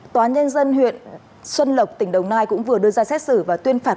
tòa nhân dân huyện xuân lộc tỉnh đồng nai cũng vừa đưa ra xét xử và tuyên phạt